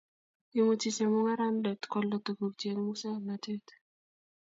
Imuchi chemung'araindet koalda tugukchi eng musong'natet